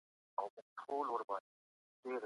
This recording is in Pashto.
عدالت باید پر ټولو یو شان پلی سي.